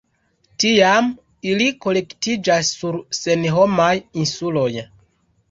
Tiam ili kolektiĝas sur senhomaj insuloj.